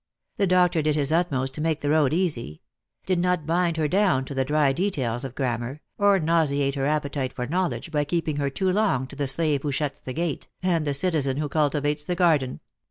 The doctor did his utmost to make the road easy — did not bind her down to the dry details of grammar, or nauseate her appetite for knowledge by keeping her too long to the slave who shuts the gate, and the citizen who cultivates the garden.